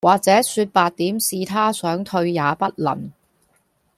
或者說白點是他想退也不能